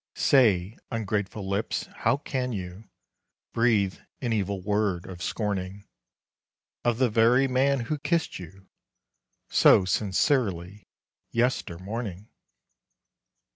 Say, ungrateful lips, how can you Breathe an evil word of scorning, Of the very man who kissed you So sincerely, yestermorning?